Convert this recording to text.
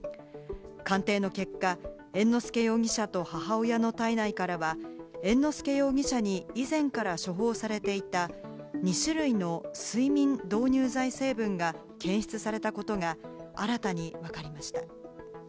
鑑定の結果、猿之助容疑者と母親の体内からは猿之助容疑者に以前から処方されていた２種類の睡眠導入剤成分が検出されたことが新たにわかりました。